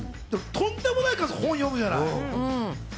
とんでもない数、本読むじゃない。